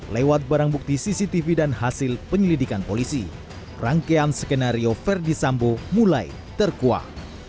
lewat barang bukti cctv dan hasil penyelidikan polisi rangkaian skenario verdi sambo mulai terkuah